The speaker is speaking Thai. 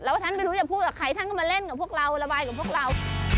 แล้วท่านไม่รู้จะพูดกับใครท่านก็มาเล่นกับพวกเราระบายกับพวกเรา